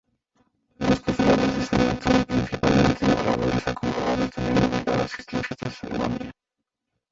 Los cofrades de San Antón, principalmente labradores acomodados, tenían obligada asistencia a esta ceremonia.